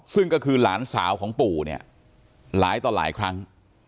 ซึ่งก็คือหลานสาวของปู่เนี่ยหลายต่อหลายครั้ง